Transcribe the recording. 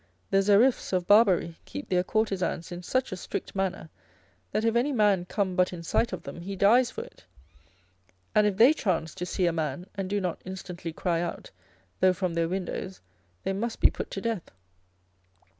The Xeriffes of Barbary keep their courtesans in such a strict manner, that if any man come but in sight of them he dies for it; and if they chance to see a man, and do not instantly cry out, though from their windows, they must be put to death.